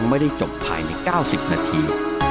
ไม่ได้จบภายในเก้าสิบนาที